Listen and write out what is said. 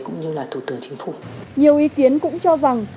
nhiều ý kiến cũng cho rằng